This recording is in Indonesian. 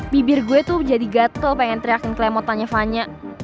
bibir gue tuh jadi gatel pengen teriakin kelemotannya vanya